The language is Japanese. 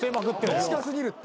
近過ぎるって。